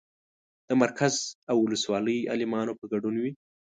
د مرکز او ولسوالۍ عالمانو په ګډون وي.